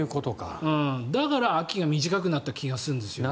だから秋が短くなった気がするんですよね。